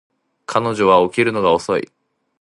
彼女は起きるのが遅い